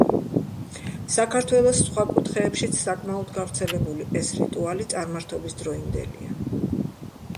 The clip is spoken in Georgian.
საქართველოს სხვა კუთხეებშიც საკმაოდ გავრცელებული ეს რიტუალი წარმართობის დროინდელია.